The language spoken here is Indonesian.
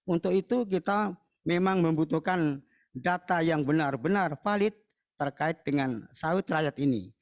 untuk itu kita memang membutuhkan data yang benar benar valid terkait dengan sawit rakyat ini